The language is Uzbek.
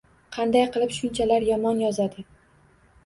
Qanday qilib shunchalar yomon yozadi.